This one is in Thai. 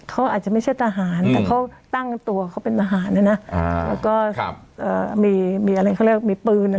เขาอาจจะไม่ใช่ทหารแต่เขาตั้งตัวเขาเป็นทหารนะนะแล้วก็มีอะไรเขาเรียกมีปืน